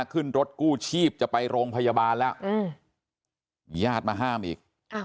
ขึ้นรถกู้ชีพจะไปโรงพยาบาลแล้วมีญาติมาห้ามอีก